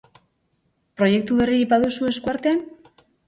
Proiektu berririk baduzu esku artean?